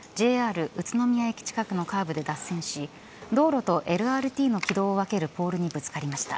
ＪＲ宇都宮駅近くのカーブで脱線し道路とＬＲＴの軌道を分けるポールにぶつかりました。